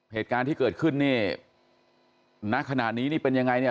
เหตุการณ์ที่เกิดขึ้นนี่ณขณะนี้นี่เป็นยังไงเนี่ย